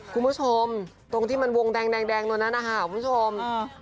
คุณผู้ชมตรงที่มันวงแดงตรงนั้นนะคะคุณผู้ชม